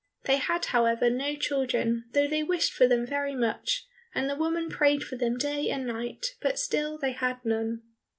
They had, however, no children, though they wished for them very much, and the woman prayed for them day and night, but still they had none.